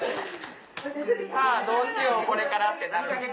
さぁどうしようこれからってなる。